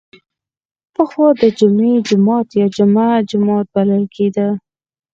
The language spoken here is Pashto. پخوا د جمعې جومات یا جمعه جومات بلل کیده.